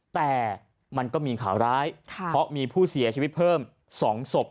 แต่มันก็มีข่าวร้ายเพราะมีผู้เสียชีวิตเพิ่ม๒ศพ